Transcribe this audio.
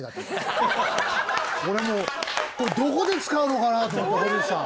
俺もうこれどこで使うのかなと思って堀内さん。